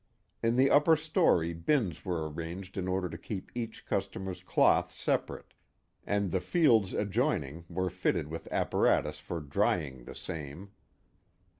In the upper story, bins were arranged in order to keep each customer's cloth separate, and the fields adjoining were fitted with apparatus for drying the same.